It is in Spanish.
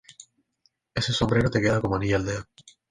Ese sombrero te queda como anillo al dedo